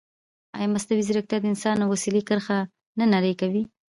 ایا مصنوعي ځیرکتیا د انسان او وسیلې کرښه نه نری کوي؟